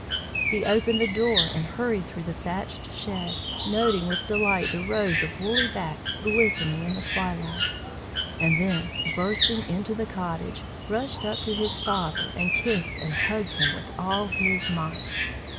He opened the door and hurried through the thatched shed, noting with delight the rows of woolly backs glistening in the twilight, and then, bursting into the cottage, rushed up to his father and kissed and hugged him with all his might!